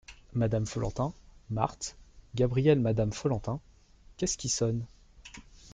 Madame Follentin, Marthe, Gabriel Madame Follentin. — Qu’est-ce qui sonne ?